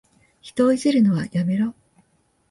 人をいじめるのはやめろ。